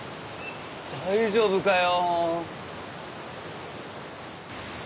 大丈夫かよ。